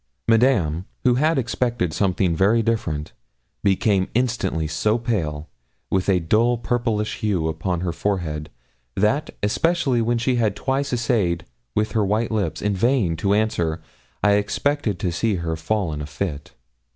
Madame, who had expected something very different, became instantly so pale, with a dull purplish hue upon her forehead, that, especially when she had twice essayed with her white lips, in vain, to answer, I expected to see her fall in a fit.